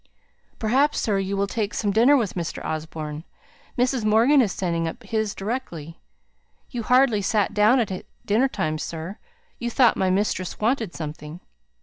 "Perhaps, sir, you will take some dinner with Mr. Osborne. Mrs. Morgan is sending up his directly. You hardly sate down at dinner time, sir, you thought my mistress wanted something."